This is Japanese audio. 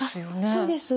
そうですね。